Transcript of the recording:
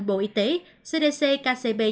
bộ y tế cdc